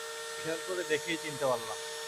খেয়াল করে দেখেই চিনতে পারলাম।